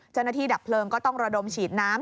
เจ้าหน้าที่ดับเพลิงก็ต้องรอดมฉีดน้ำ